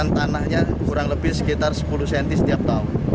tanahnya kurang lebih sekitar sepuluh cm setiap tahun